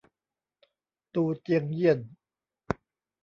ตูเจียงเยี่ยน